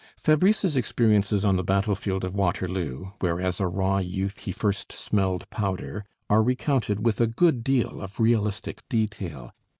Fabrice's experiences on the battle field of Waterloo, where as a raw youth he first "smelled powder," are recounted with a good deal of realistic detail.